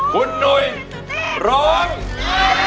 คุณหนุ่ยร้อง